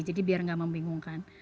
jadi biar enggak membingungkan